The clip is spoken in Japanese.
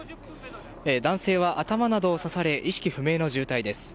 男性は頭などを刺され意識不明の重体です。